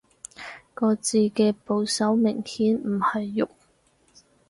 個字嘅部首明顯唔係肉